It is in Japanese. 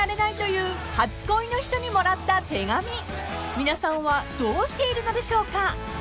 ［皆さんはどうしているのでしょうか？］